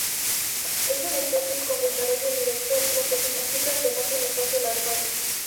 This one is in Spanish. Es una especie con desarrollo directo, lo que significa que no tiene fase larvaria.